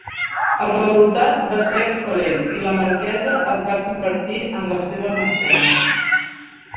El resultat va ser excel·lent i la marquesa es va convertir en la seva mecenes.